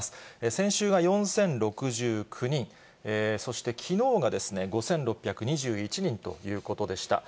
先週が４０６９人、そしてきのうが５６２１人ということでした。